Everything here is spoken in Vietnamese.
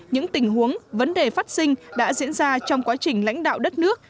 những tình huống vấn đề phát sinh đã diễn ra trong quá trình lãnh đạo đất nước